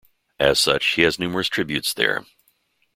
As such, he has numerous tributes there.